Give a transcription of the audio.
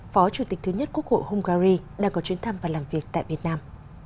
phó chủ tịch thứ nhất quốc hội hungary đang có chuyến thăm và làm việc tại việt nam